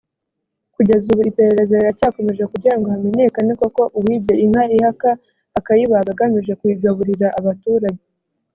Kugeza ubu iperereza riracyakomeje kugira ngo hamenyekane koko uwibye inka ihaka akayibaga agamije kuyigaburira abaturage